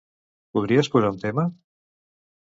Podries posar un tema?